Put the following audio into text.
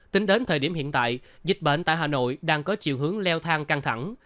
tính đến thời điểm hiện tại dịch bệnh tại hà nội đang có chiều hướng leo thang căng thẳng